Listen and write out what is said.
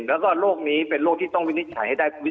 แล้วก็โรคนี้เป็นโรคที่ต้องวินิจฉัยให้ได้